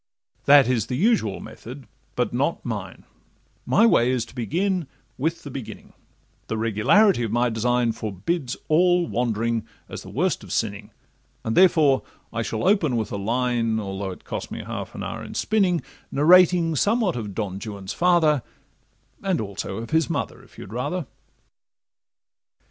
That is the usual method, but not mine— My way is to begin with the beginning; The regularity of my design Forbids all wandering as the worst of sinning, And therefore I shall open with a line (Although it cost me half an hour in spinning) Narrating somewhat of Don Juan's father, And also of his mother, if you'd rather.